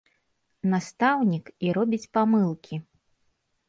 Настаўнік, і робіць памылкі!